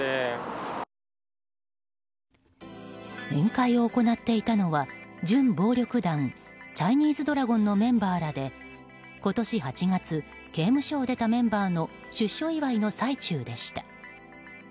宴会を行っていたのは準暴力団チャイニーズドラゴンのメンバーらで、今年８月刑務所を出たメンバーの出所祝いの最中でした。